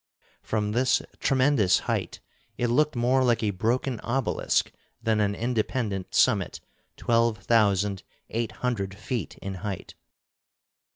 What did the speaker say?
From this tremendous height it looked more like a broken obelisk than an independent summit twelve thousand eight hundred feet in height.